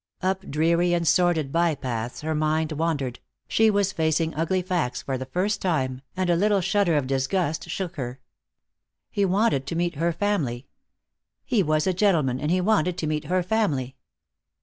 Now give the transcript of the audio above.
Up dreary and sordid by paths her mind wandered; she was facing ugly facts for the first time, and a little shudder of disgust shook her. He wanted to meet her family. He was a gentleman and he wanted to meet her family.